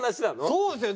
そうですよ。